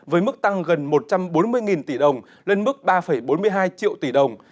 với mức tăng gần một trăm bốn mươi tỷ đồng lên mức ba bốn mươi hai triệu tỷ đồng